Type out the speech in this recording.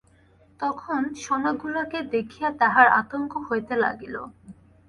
তখন সোনাগুলাকে দেখিয়া তাহার আতঙ্ক হইতে লাগিল।